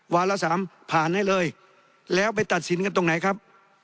ละสามผ่านให้เลยแล้วไปตัดสินกันตรงไหนครับ